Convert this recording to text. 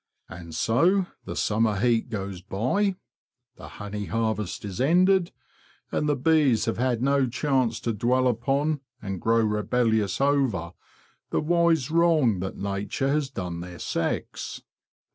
And so the summer heat goes by; the honey harvest is ended; and the bees have had no chance to dwell upon, and grow rebellious over, the wise wrong that nature has done their sex.